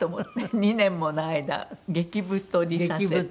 ２年もの間激太りさせて。